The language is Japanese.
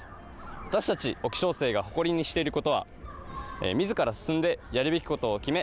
私たち沖尚生が誇りにしていることはみずから進んでやるべきことを決め